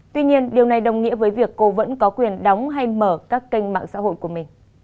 tuy nhiên điều này đồng nghĩa với việc cô vẫn có quyền đóng hay mở các kênh mạng